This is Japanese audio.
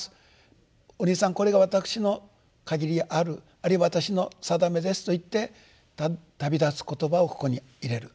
お兄さんこれが私の限りあるあるいは私の定めです」と言って旅立つ言葉をここに入れる。